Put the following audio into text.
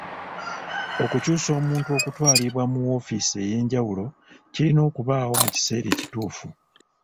Okukyusa omuntu okutwalibwa mu woofiisi ey'enjawulo kirina okubaawo mu kiseera ekituufu.